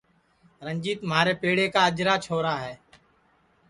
رنجیت مھارے پیڑے کا اجرا چھورا ہے